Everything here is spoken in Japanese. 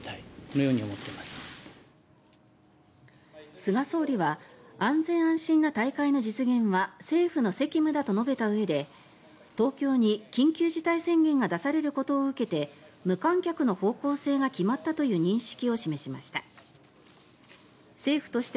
菅総理は安全安心な大会の実現は政府の責務だと述べたうえで東京に緊急事態宣言が出されることを受けて無観客の方向性が決まったという認識を示しました。